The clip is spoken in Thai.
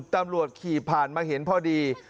ตำรวจขี่ผ่านมาเห็นพอดี